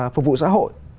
phục vụ xã hội